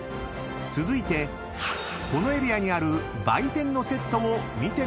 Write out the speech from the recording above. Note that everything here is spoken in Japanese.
［続いてこのエリアにある売店のセットを見てみることに］